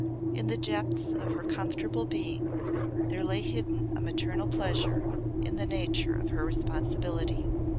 In the depths of her comfortable being there lay hidden a maternal pleasure in the nature of her responsibility.